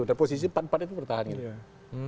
udah posisi empat empat itu bertahan gitu